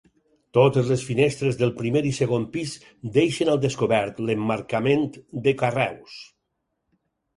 Totes les finestres del primer i segon pis deixen al descobert l'emmarcament de carreus.